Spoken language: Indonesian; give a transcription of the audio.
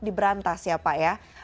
diberantas ya pak ya